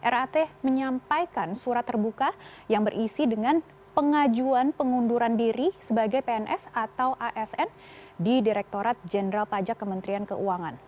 rat menyampaikan surat terbuka yang berisi dengan pengajuan pengunduran diri sebagai pns atau asn di direktorat jenderal pajak kementerian keuangan